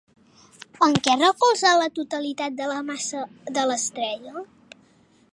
En què es recolza la totalitat de la massa de l'estrella?